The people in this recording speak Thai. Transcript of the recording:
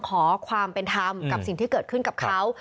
ขอความเป็นธรรมกับสิ่งที่เกิดขึ้นกับเขา